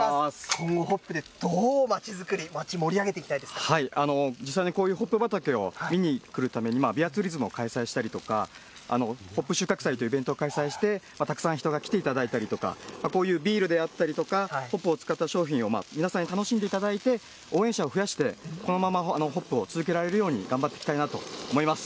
このホップでどう町づくり、町盛実際にこういうホップ畑を見に来るために、ビアツーリズムを開催したりとか、ホップ収穫祭というイベントを開催して、たくさん人が来ていただいたりとか、こういうビールであったりとか、ホップを使った商品を皆さんに楽しんでいただいて、応援者を増やして、このままホップを続けられるように、頑張っていきたいなと思います。